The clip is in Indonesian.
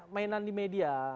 mainan di media